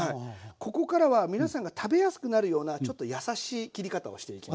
ここからは皆さんが食べやすくなるようなちょっと優しい切り方をしていきます。